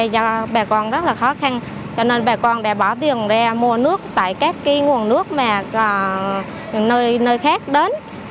do bà con rất là khó khăn cho nên bà con đã bỏ tiền ra mua nước tại các nguồn nước mà nơi khác đến